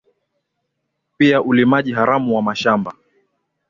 pia ulimaji haramu wa mashamba